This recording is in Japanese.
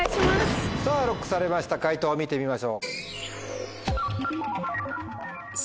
さぁＬＯＣＫされました解答を見てみましょう。